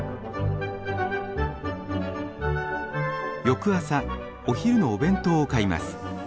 翌朝お昼のお弁当を買います。